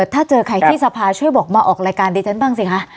ถ้าเจอใครที่สภาช่วยบอกมาออกรายการดิฉันบ้างสิคะ